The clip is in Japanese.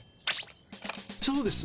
そうです！